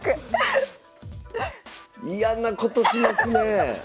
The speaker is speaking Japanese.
嫌なことしますねえ！